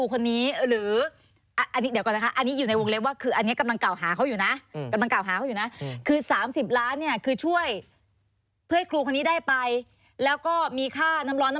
คือต้องการเงินแค่๓๐ล้าน